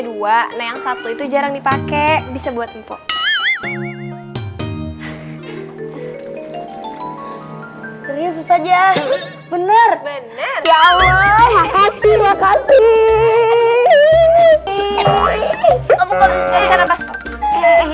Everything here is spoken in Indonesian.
dua yang satu itu jarang dipakai bisa buat mp tiga saja bener bener ya allah makasih makasih